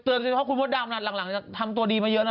เตือนสิทธิ์ว่าคุณพุทธดามหลังทำตัวดีมาเยอะนะ